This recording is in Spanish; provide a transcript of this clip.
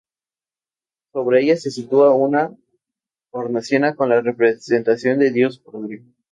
Sobre ella se sitúa una hornacina con la representación del Dios Padre.